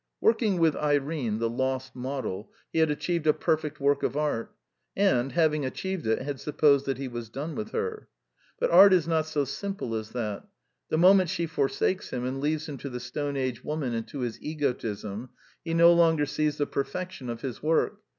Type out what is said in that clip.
Working with Irene, the lost model, he had achieved a perfect work of art; and, having achieved it, had supposed that he was done with her. But art is not so simple as that. The mo ment she forsakes him and leaves him to the Stone Age woman and to his egotism, he no longer sees the perfection of his work.